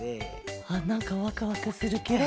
あっなんかワクワクするケロ。